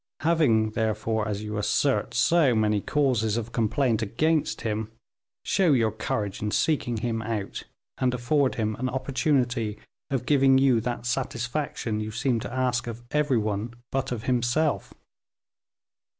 Having, therefore, as you assert, so many causes of complaint against him, show your courage in seeking him out, and afford him an opportunity of giving you that satisfaction you seem to ask of every one but of himself."